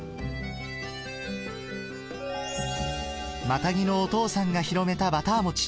マタギのお父さんが広めたバター餅